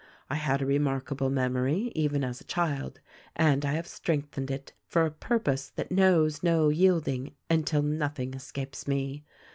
I had a remarkable memory even as a child ; and I have strengthened it — for a purpose that knows no yield ing — until nothing escapes me.